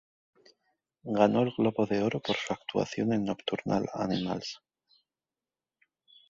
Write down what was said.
Ganó el Globo de oro por su actuación en Nocturnal Animals.